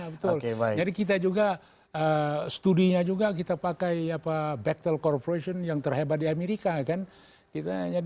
betul jadi kita juga studinya juga kita pakai apa backtle corporation yang terhebat di amerika kan jadi